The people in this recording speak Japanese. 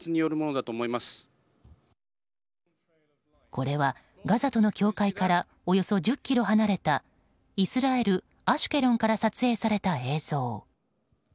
これはガザとの境界からおよそ１０ｋｍ離れたイスラエル・アシュケロンから撮影された映像。